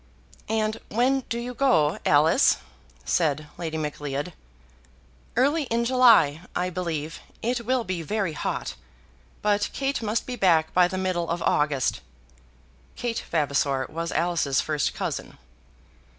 "And when do you go, Alice?" said Lady Macleod. "Early in July, I believe. It will be very hot, but Kate must be back by the middle of August." Kate Vavasor was Alice's first cousin.